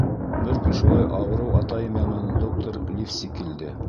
Бер көн шулай ауырыу атайым янына доктор Ливси килде.